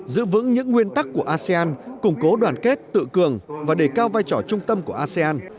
giữ vững những nguyên tắc của asean củng cố đoàn kết tự cường và đề cao vai trò trung tâm của asean